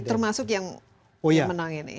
jadi termasuk yang pemenang ini